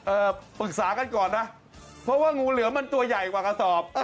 ปรึกษากันก่อนนะเพราะว่างูเหลือมมันตัวใหญ่กว่ากระสอบ